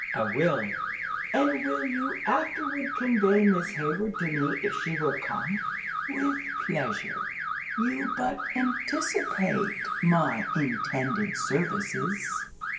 "I will." "And will you afterward convey Miss Hayward to me if she will come?" "With pleasure; you but anticipate my intended services."